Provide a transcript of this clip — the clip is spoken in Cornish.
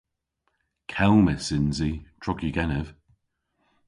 Kelmys yns i, drog yw genev.